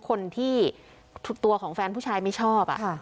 คนที่ตัวของแฟนผู้ชายไม่ชอบ